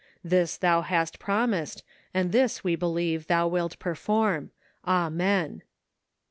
This thou hast promised, and this we believe thou wilt perform. Amen."